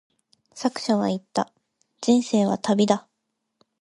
作者は言った、人生は旅だ。